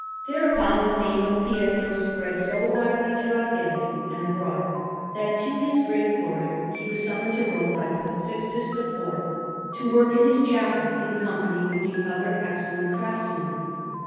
Perugia: Collegio del Cambio_) Alinari] Thereupon the fame of Pietro spread so widely throughout Italy and abroad, that to his great glory he was summoned to Rome by Pope Sixtus IV to work in his chapel in company with the other excellent craftsmen.